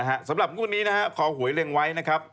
อ่าสำหรับคุณนี้คอหวยเรียงไว้นะครับ